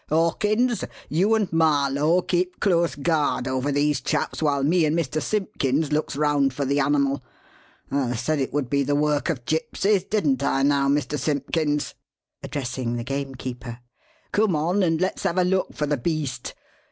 "Hawkins, you and Marlow keep close guard over these chaps while me and Mr. Simpkins looks round for the animal. I said it would be the work of gypsies, didn't I now, Mr. Simpkins?" addressing the gamekeeper. "Come on and let's have a look for the beast.